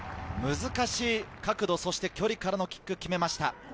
難しい角度、そして遠距離からのキック、決めました。